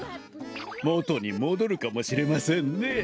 もとにもどるかもしれませんね！